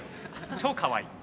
超かわいい。